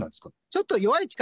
ちょっと。